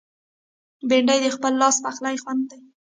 بېنډۍ د خپل لاس پخلي خوند دی